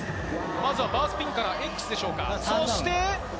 まずはバースピンからＸでしょうか。